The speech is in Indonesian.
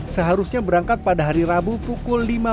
seharusnya berangkat pada hari rabu pukul lima belas